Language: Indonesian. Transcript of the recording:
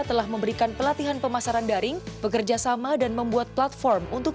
telah memberikan pelatihan pemasaran daring bekerja sama dan membuat platform untuk